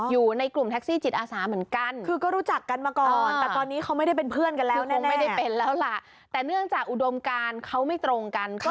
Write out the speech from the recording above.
อยู่ในกลุ่มแท็กซี่จิตอาสาเหมือนกัน